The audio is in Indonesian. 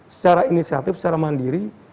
secara inisiatif secara mandiri